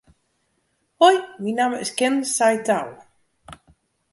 Hoi, myn namme is Ken Saitou.